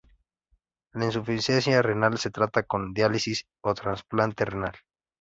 La insuficiencia renal se trata con diálisis o trasplante renal.